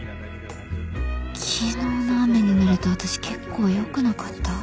昨日の雨にぬれたあたし結構よくなかった？